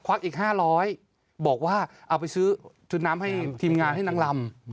อีก๕๐๐บอกว่าเอาไปซื้อชุดน้ำให้ทีมงานให้นางลำ